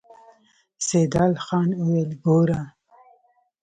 سيدال خان وويل: ګوره!